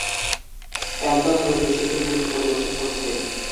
একদল নৃত্যশিল্পী নৃত্য পরিবেশন করছে।